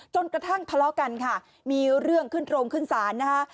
กระทั่งทะเลาะกันค่ะมีเรื่องขึ้นโรงขึ้นศาลนะคะ